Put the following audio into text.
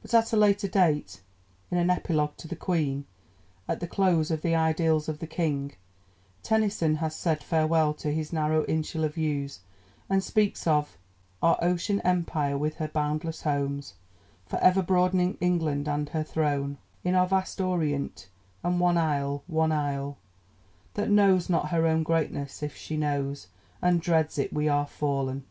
But at a later date, in an "Epilogue to the Queen," at the close of the Idylls of the King, Tennyson has said farewell to his narrow insular views, and speaks of Our ocean empire with her boundless homes For ever broadening England, and her throne In our vast Orient, and one isle, one isle, That knows not her own greatness: if she knows And dreads it we are fall'n.